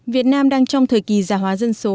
việt nam đang trong thời kỳ giả hóa dân số